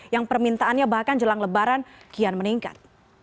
yang permintaannya bahkan jelang lebaran kian meningkat